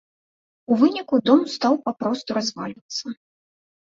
У выніку дом стаў папросту развальвацца.